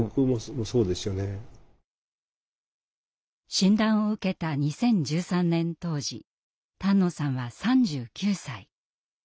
診断を受けた２０１３年当時丹野さんは３９歳。